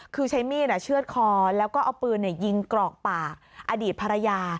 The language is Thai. คือใช้มีดเชื่อดคอแล้วก็เอาปืนยิงกรอกปากอดีตภรรยา